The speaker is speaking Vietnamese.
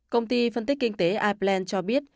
công ty phân tích kinh tế iplan cho biết